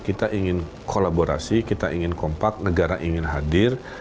kita ingin kolaborasi kita ingin kompak negara ingin hadir